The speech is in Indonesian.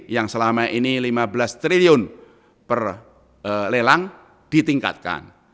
yang selama ini lima belas triliun per lelang ditingkatkan